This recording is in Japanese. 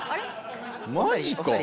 マジか。